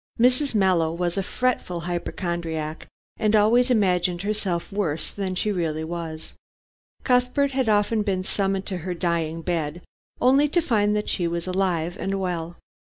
Mrs. Mallow was a fretful hypochondriac, who always imagined herself worse than she really was. Cuthbert had often been summoned to her dying bed, only to find that she was alive and well.